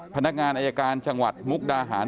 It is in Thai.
พนักงานอายการจังหวัดมุกดาหาร